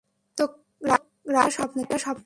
গত রাতে একটা স্বপ্ন দেখি।